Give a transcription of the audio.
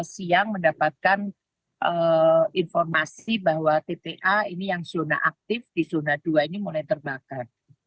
siang mendapatkan informasi bahwa tpa ini yang zona aktif di zona dua ini mulai terbakar